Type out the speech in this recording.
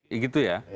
ya gitu ya